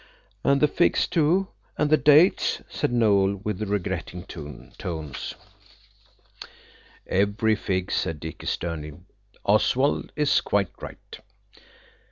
"And the figs too–and the dates," said Noël, with regretting tones. "Every fig," said Dicky sternly. "Oswald is quite right."